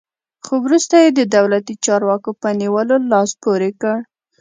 خو وروسته یې د دولتي چارواکو په نیولو لاس پورې کړ.